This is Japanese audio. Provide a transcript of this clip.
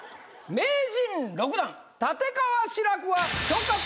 名人６段立川志らくは。